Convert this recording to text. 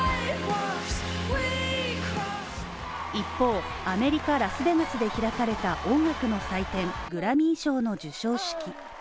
一方、アメリカ・ラスベガスで開かれた音楽の祭典、グラミー賞の授賞式。